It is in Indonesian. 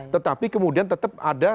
tetapi kemudian tetap ada satu sempatan